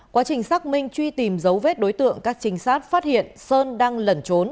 quá trình xác minh truy tìm dấu vết đối tượng các trinh sát phát hiện sơn đang lẩn trốn